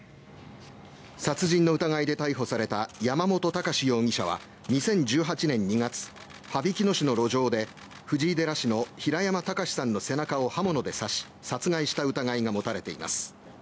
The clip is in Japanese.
殺人の疑いで逮捕された山本孝容疑者は２０１８年２月羽曳野市の路上で藤井寺市の平山喬司さんの背中を刃物で刺し殺害した疑いが持たれています。